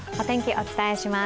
お伝えします。